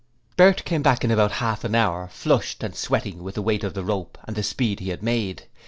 Bert came back in about half an hour flushed and sweating with the weight of the rope and with the speed he had made.